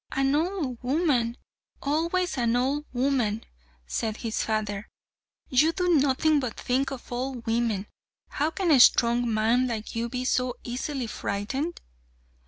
an old woman! always an old woman!" said his father. "You do nothing but think of old women. How can a strong man like you be so easily frightened?"